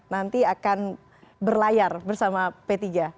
nanti akan berlayar bersama p tiga